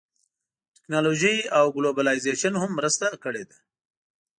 ټیکنالوژۍ او ګلوبلایزېشن هم مرسته کړې ده